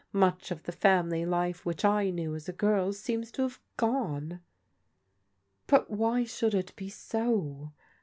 Much of the family life which I knew as a girl seems to have gone." " But why should it be so